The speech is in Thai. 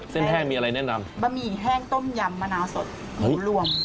แห้งมีอะไรแนะนำบะหมี่แห้งต้มยำมะนาวสดรวม